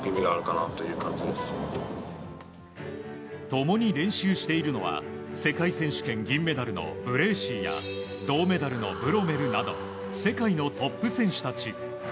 共に練習しているのは世界選手権銀メダルのブレーシーや銅メダルのブロメルなど世界のトップ選手たち。